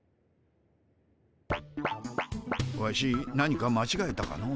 ワシ何かまちがえたかの？